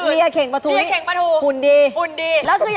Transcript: เอาละครับคุณผู้จอมครับผม